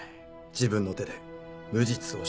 自分の手で無実を証明する。